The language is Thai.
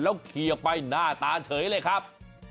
เล่าเคี้ยไปหน้าตาเผยเลยครับ